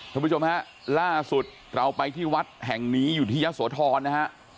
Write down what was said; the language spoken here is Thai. คุณผู้ชมฮะล่าสุดเราไปที่วัดแห่งนี้อยู่ที่ยะโสธรนะฮะ